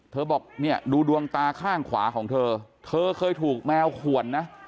บอกเนี่ยดูดวงตาข้างขวาของเธอเธอเคยถูกแมวขวนนะ